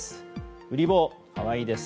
うり坊、可愛いです。